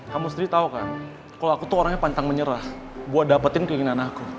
kamu sendiri tahu kan kalau aku tuh orangnya pantang menyerah buat dapetin keinginan aku